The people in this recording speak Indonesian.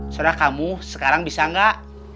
sudah kamu sekarang bisa gak